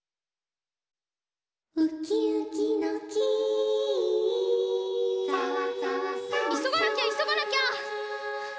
「ウキウキの木」いそがなきゃいそがなきゃ！